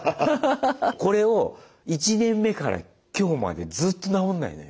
これを１年目から今日までずっと直んないのよ。